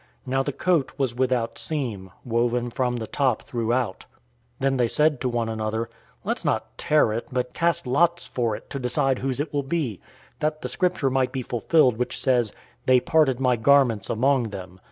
Now the coat was without seam, woven from the top throughout. 019:024 Then they said to one another, "Let's not tear it, but cast lots for it to decide whose it will be," that the Scripture might be fulfilled, which says, "They parted my garments among them.